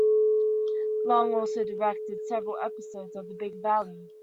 Long also directed several episodes of "The Big Valley".